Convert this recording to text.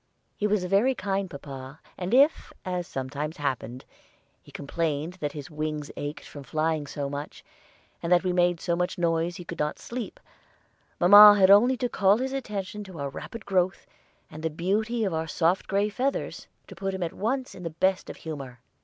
He was a very kind papa, and if, as sometimes happened, he complained that his wings ached from flying so much, and that we made so much noise he could not sleep, mamma had only to call his attention to our rapid growth, and the beauty of our soft gray feathers, to put him at once in the best of humor.